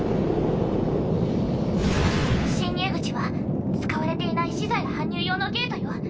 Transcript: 侵入口は使われていない資材の搬入用のゲートよ。